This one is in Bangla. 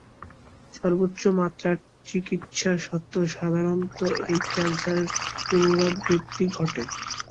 সর্বোচ্চ মাত্রার চিকিৎসা সত্ত্বেও সাধারণত এই ক্যান্সারের পুনরাবৃত্তি ঘটে।